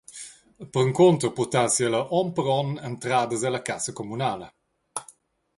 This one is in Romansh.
Perencunter purtassi ella onn per onn entradas ella cassa communala.